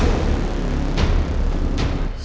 sama kita harus tat spécial nih ya